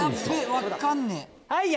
分かんねえ。